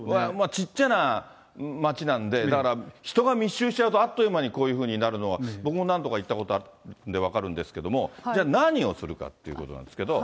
小っちゃな街なんで、だから人が密集しちゃうとあっという間に、こういうふうになるのは、僕も何度か行ったことあるんで分かるんですけど、じゃあ、何をするかっていうことなんですけれども。